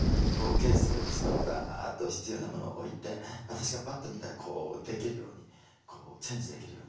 ケースを置いてそこにバッと必要なものを置いて私がバッと見たらこうできるようにチェンジできるように。